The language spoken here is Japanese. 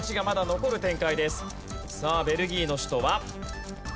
さあベルギーの首都は。